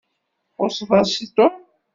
Txuṣṣeḍ-as i Tom.